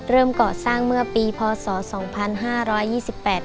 ก่อสร้างเมื่อปีพศสองพันห้าร้อยยี่สิบแปด